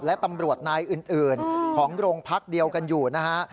และตำรวจนายอื่นของโรงพักเดียวกันอยู่นะฮะ